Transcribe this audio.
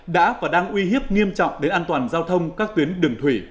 đã và đang uy hiếp nghiêm trọng đến an toàn giao thông các tuyến đường thủy